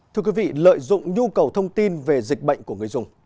thưa quý vị lợi dụng nhu cầu thông tin về dịch bệnh của người dùng